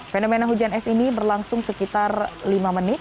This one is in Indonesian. fenomena hujan es ini berlangsung sekitar lima menit